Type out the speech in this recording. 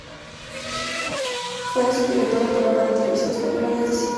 Fue subdirector del programa de Televisión Española "Días de cine".